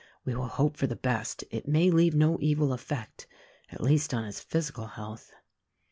We will hope for the best; it may leave no evil effect — at least on his physical health."